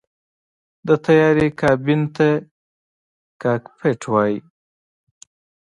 د طیارې کابین ته “کاکپټ” وایي.